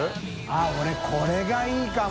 ◆舛俺これがいいかも。